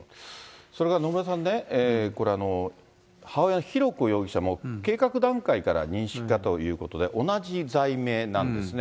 それから野村さんね、これ、母親の浩子容疑者も計画段階から認識かということで、同じ罪名なんですね。